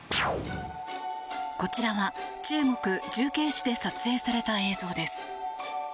こちらは中国・重慶市で撮影された映像です。